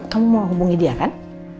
kamu mau hubungi dia kan